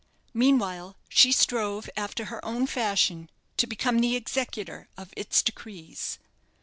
Meanwhile, she strove, after her own fashion, to become the executor of its decrees.